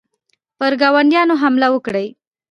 پر ګاونډیانو حمله وکړي.